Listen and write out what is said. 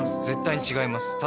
絶対に違います。